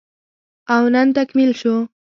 او نن تکميل شو